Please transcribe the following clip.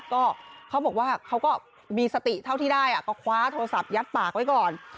ก็เขาบอกว่าเขาก็มีสติเท่าที่ได้ก็คว้าโทรศัพท์ยัดปากไว้ก่อน